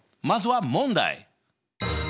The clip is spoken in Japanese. まずは問題！